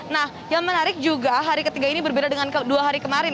nah yang menarik juga hari ketiga ini berbeda dengan dua hari kemarin